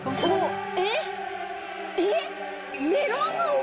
えっ？